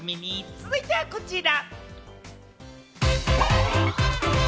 続いてはこちら！